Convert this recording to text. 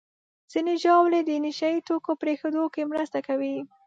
ځینې ژاولې د نشهیي توکو پرېښودو کې مرسته کوي.